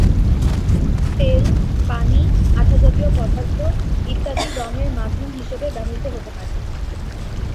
তেল, পানি, আঠা জাতীয় পদার্থ, ইত্যাদি রঙের মাধ্যম হিসেবে ব্যবহৃত হতে পারে।